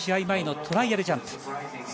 前のトライアルジャンプ。